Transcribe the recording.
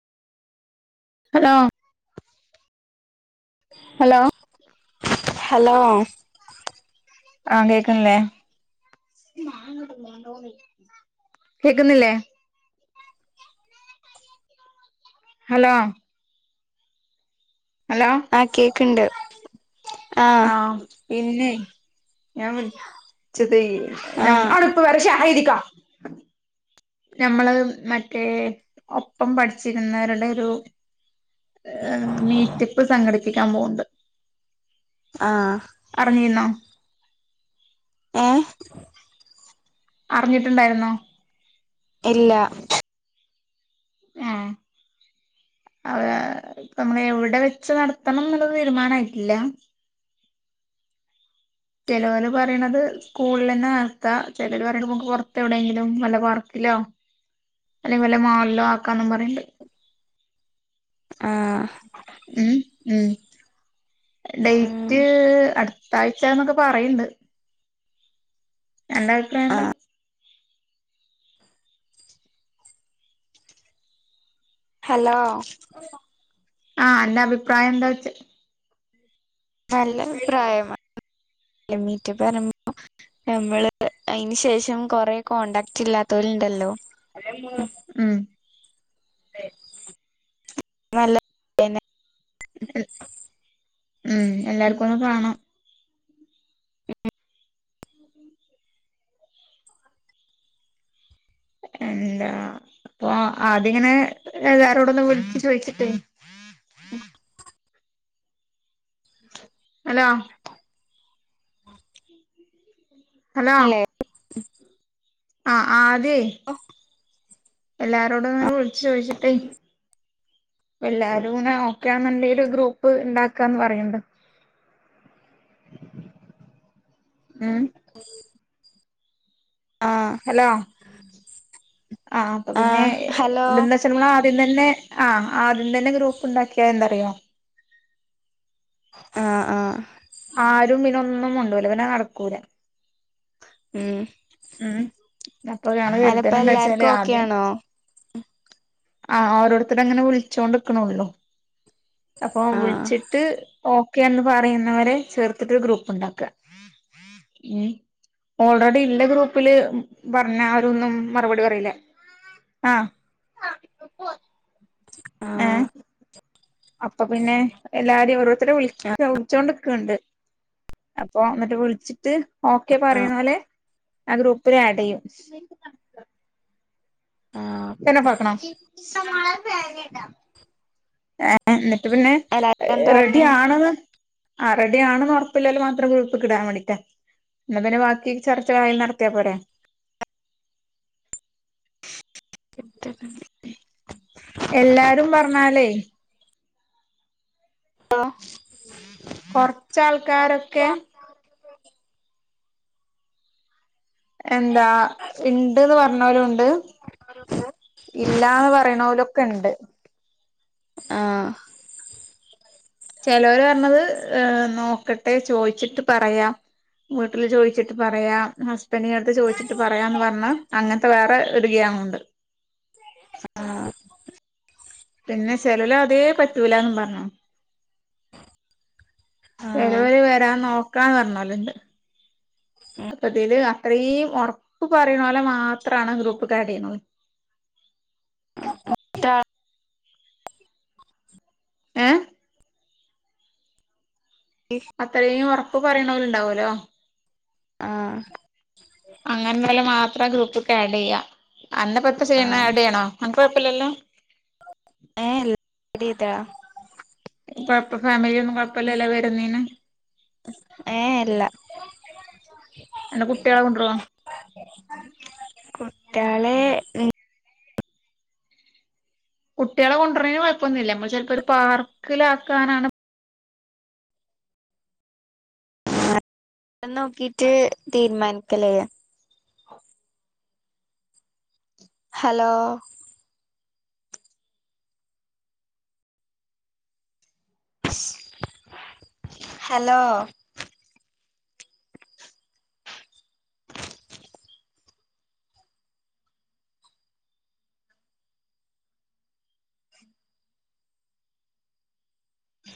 Hello [unintelligible] hello hello ആഹ് കേൾക്ക്ണില്ലേ കേക്കുന്നില്ലേ ഹലോ ഹലോ ആഹ് കേക്ണ്ട് ആഹ് പിന്നെയ് ഞാൻ വിളിചതയ് ആ അവടെ ഇപ്പ വര ഷ ആഹ് എയ്തിക്കോ ഞമ്മള് മറ്റേ ഒപ്പം പഠിച്ചിരുന്നവരുടെ ഒരു ഏഹ് മീറ്റപ്പ് സംഘടിപ്പിക്കാം പോവ്ണ്ട് ആഹ് അറിഞ്ഞിന്നോ ഏഹ് അറിഞ്ട്ട്ണ്ടായിരുന്നോ ഇല്ല ഹോം അത് പ്പൊ നമ്മള് എവടെ വെച്ച് നടത്തണന്ന്ള്ളത് തീരുമാനായിട്ടില്ല. ചെലോല് പറിണത് സ്കൂളിലെന്നെ നടത്താ ചെലര് പറിണ് ണ്ട് നമ്മക്ക് പൊർത്ത് എവിടെങ്കിലും വല്ല പാർക്കിലോ അല്ലെങ്കി വല്ല മാളിലോ ആക്കാന്നും പറിണ്ട് ആഹ് ഉം ഉം ഉം ഡേയ്റ്റ് അട് താഴ്ച്ചാന്നൊക്കെ പറിണ്ട് അന്റെ ആ അഭിപ്രായന്താ? ഹലോ ആഹ് അന്റെ അഭിപ്രായന്താ ഒയ്ച്ച നല്ല അഭിപ്രായം മീറ്റപ് അറിമ്പോ നമ്മള് അയിന്റെ ശേഷം കൊറെ കോൺടാക്ട് ഇല്ലാത്തോല്ണ്ടല്ലോ ഉം നല്ല ഉം എല്ലാർക്കും ഒന്ന് കാണാ ഉം [inaudible] എന്താ അപ്പൊ ആദ്യങ്ങനെ എല്ലാരോടും വിൾച്ച് ചോയിച്ചിട്ടേ ഹലോ [unintelligible] ഹലോ ഉം ആഹ് ആദ്യെ എല്ലാരോടും ഒന്ന് വിൾച്ച് ചോയ്ച്ചിട്ടേ എല്ലാരുംങ്ങനെ ഓക്കെ ആന്ന്ണ്ടെങ്കില് ഗ്രൂപ്പ് ഇണ്ടാക്കാന്ന് പറിയ്ണ്ട് ഉം [unintelligible] ആഹ് ഹലോ ആഹ് ഹലോ ഇറ്റങ്ങള് ആദ്യം തന്നെ ആഹ് ആദ്യം തന്നെ ഗ്രൂപ്പ് ഇണ്ടാക്കിയാ എന്താറിയോ ആഹ് ആഹ് ആരും പിന്നെ ഒന്നും മുണ്ടൂല പിന്നെ നട്ക്കൂല ഉം ഉം അപ്പൊ ഞങ്ങള് അല്ലപ്പ കരുതല് എല്ലാർക്കു എന്താച്ചാല് ഓക്കെ ആദ്യം ആണോ ആഹ് ഓരോര്ത്തരങ്ങനെ വിൾച്ചോണ്ട്ക്ക്ണൊള്ളു അപ്പൊ ആ വിൾച്ച് ട്ട് ഓക്കെന്ന് പറയുന്നവരെ ചേർത്തിട്ട് ഒരു ഗ്രൂപ്പ് ഇണ്ടാക്ക ഉം ഓൾറെഡി ഇല്ല ഗ്രൂപ്പില് പറഞ്ഞാലൊന്നും മറുപടി പറീലെ ആഹ് [unintelligible] ആഹ് അപ്പ പിന്നെ എല്ലാരിം ഓരോരുത്തരെ വിളിക്കാവും വിളിച്ചോണ്ട്ക്ക്ണ്ട് അപ്പൊ ഇന്നട്ട് വിൾച്ച്ട്ട് ഓക്കെ ആ ആ പറയുന്നോലെ ആ ഗ്രൂപ്പില് ആഡ്യ്യാ [unintelligible] ആ ഫേന് ഓഫാകണോ ഏഹ് ഇന്നട്ട് പിന്നെ എല്ലാരും എന്താ റെഡി പറഞ്ഞേ ആണ്ന്ന് ആഹ് റെഡി ആണ്ന്ന് ഉറപ്പ്ല്ലോലെ മാത്രം ഗ്രൂപ്പ്ക്ക്ടാം വാണ്ടീട്ടാ ഇന്നാ പിന്നെ ബാക്കി ചർച്ചകള് അയില് നടത്തിയാ പോരെ [unintelligible] എല്ലാരും പർഞ്ഞാലെ ആഹ് കൊർച്ചാൾക്കാരൊക്കെ എന്താ ഇണ്ട്ന്ന് പറഞ്ഞോലുണ്ട് [unintelligible] ഇല്ലാന്ന് പറിണോലൊക്കണ്ട് ആഹ് ചെലോല് പറഞ്ഞത് നോക്കട്ടെ ചോയിച്ചിട്ട് പറയാം വീട്ടില് ചോയിച്ചിട്ട് പറയാ ഹസ്ബൻഡിന്റെ അട്ത്ത് ചോയിച്ചിട്ട് പറയാന്ന് പറഞ്ഞ് അങ്ങൻത്തെ വേറെ ഒരു ഗ്യാങ്ങുണ്ട് ആഹ് പിന്നെ ചെലൊല് അതേ പറ്റൂലാന്നും പർഞ്ഞ്ണ് ആ ചെലൊല് വരാം നോക്കാന്ന് പറഞ്ഞോല്ണ്ട് അപ്പ ഇതീല് അത്രീം ഒറപ്പ് പറിണോലെ മാത്രാണ് ഗ്രൂപ്പ്ക്ക് ആഡ്യ്യുന്നൊള്ളു ആട്ട ഏഹ് എഫ് അത്രയും ഉറപ്പ് പറയിണോരുണ്ടാ വോലൊ ആഹ് അങ്ങനെല്ലോലെ മാത്ര ഗ്രൂപ്പ്ക്ക് ആഡിയ്യാ. അന്നെപ്പത്തെ ചെയ്യണ് ആഹ് ആഡിയ്യണോ അനക്ക് കൊഴപ്പല്ലല്ലോ ഏഹ് ഇല്ല ആഡ് ചെയ്താള കൊഴപ്പ ഫാമിലീലൊന്നും കൊഴപ്പല്ലല്ലോ വരുന്നീന് ഏഹ് ഇല്ല അന്റെ കുട്ട്യാളെ കൊണ്ടരോ കുട്ട്യാൾ കുട്ടികളെ കൊണ്ടുവരുന്നെന് കുഴപ്പൊന്നുമില്ല നമ്മൾ ചിലപ്പോ ഒരു പാർക്കിലാക്കാനാണ് നോക്കീട്ട് തീരുമാനിക്കലേ ഹലോ ഹലോ